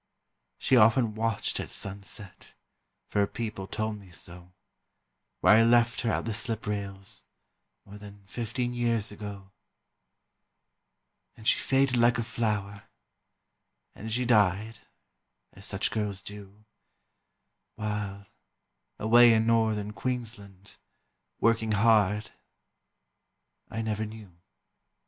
she often watched at sunset For her people told me so Where I left her at the slip rails More than fifteen years ago. And she faded like a flower, And she died, as such girls do, While, away in Northern Queensland, Working hard, I never knew.